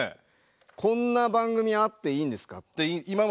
こんな番組あっていいんですか？